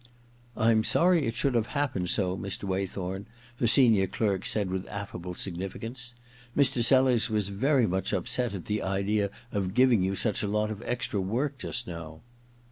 * I'm sorry it should have happened so, Mr. Way thorn,' the senior clerk said with af&ble significance. * Mr. Sellers was very much upset at the idea of giving you such a lot of extra work just now.'